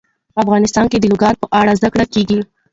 افغانستان کې د لوگر په اړه زده کړه کېږي.